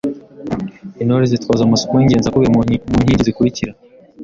Intore zitozwa amasomo y’ingenzi akubiye mu nkingi zikurikira: